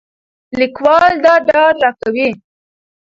لیکوال دا ډاډ راکوي.